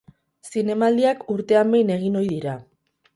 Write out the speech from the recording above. Zinemaldiak urtean behin egin ohi dira.